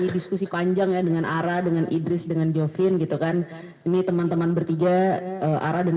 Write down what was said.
diskusi panjang ya dengan ara dengan idris dengan jovin gitu kan ini teman teman bertiga ara dan